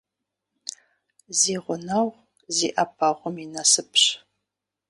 Зи гъунэгъу зи Iэпэгъум и насыпщ.